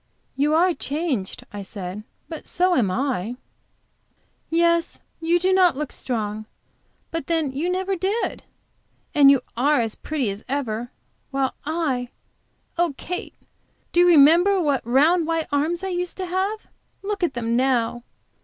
"You are changed," I said, "but so am I." "Yes, you do not look strong. But then you never did. And you are as pretty as ever, while I oh, Kate! do you remember what round, white arms I used to have? Look at them now!"